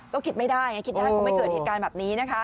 ก็คิดไม่ได้คิดว่าไม่เกิดเหตุการณ์แบบนี้